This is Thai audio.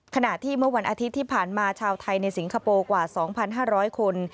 ขณะที่เมื่อวันอาทิตย์ที่ผ่านมาชาวไทยในสิงคโปร์กว่า๒๕๐๐คน